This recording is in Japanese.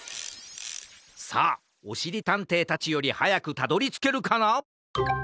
さあおしりたんていたちよりはやくたどりつけるかな？